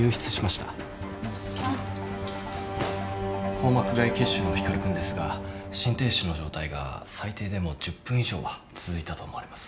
硬膜外血腫の光君ですが心停止の状態が最低でも１０分以上は続いたと思われます。